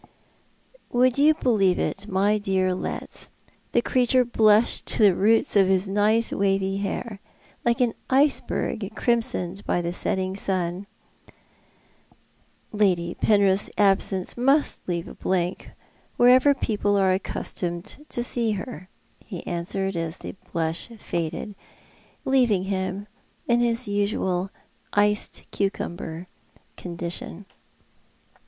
"Would you believe it, my dear Letts, the creature blushed to the roots of his nice wavy hair— like an iceberg crimsoned by the setting sun ?" Lady Penrith's absence must leave a blank wherever people are accustomed to see her," he answered, as the blush faded, leaving him in his usual iced cucumber condition.